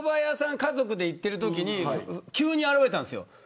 家族で行ってるときに急に現れたんですよ